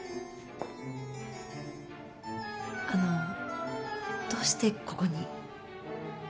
あのどうしてここに？